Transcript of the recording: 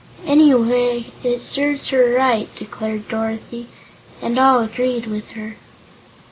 "Anyhow, it serves her right," declared Dorothy, and all agreed with her.